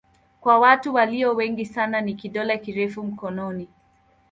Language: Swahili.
Kwa watu walio wengi sana ni kidole kirefu mkononi.